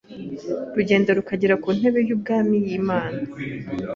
rugenda rukagera ku ntebe y’ubwami y’Imana.